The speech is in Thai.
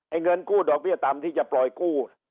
เงินกู้ดอกเบี้ยต่ำที่จะปล่อยกู้